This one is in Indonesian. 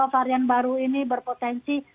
varian baru ini berpotensi